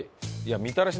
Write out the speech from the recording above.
みたらし？